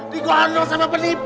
digondong sama penipu